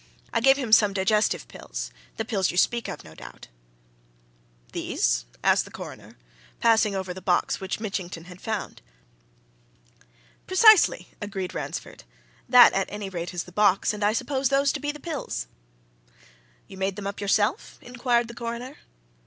I gave him some digestive pills the pills you speak of, no doubt." "These?" asked the Coroner, passing over the box which Mitchington had found. "Precisely!" agreed Ransford. "That, at any rate, is the box, and I suppose those to be the pills." "You made them up yourself?" inquired the Coroner.